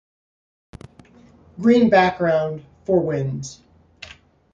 Green background for wins.